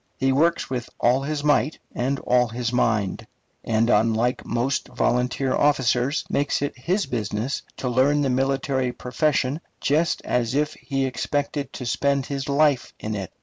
He works with all his might and all his mind; and, unlike most volunteer officers, makes it his business to learn the military profession just as if he expected to spend his life in it.